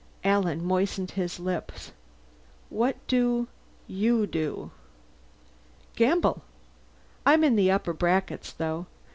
Alan moistened his lips. "What do you do?" "Gamble. I'm in the upper brackets, though.